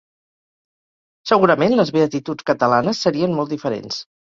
Segurament les beatituds catalanes serien molt diferents.